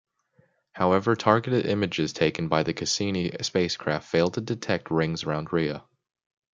However, targeted images taken by the "Cassini" spacecraft failed to detect rings around Rhea.